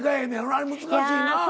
あれ難しいな。